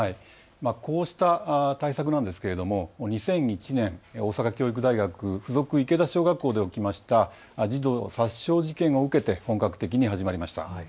こうした対策なんですけれども２００１年、大阪教育大学附属池田小学校で起きました児童殺傷事件を受けて本格的に始まりました。